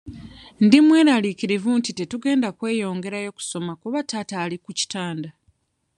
Ndi mweraliikirivu nti tetugenda kweyongerayo kusoma kuba taata ali ku kitanda.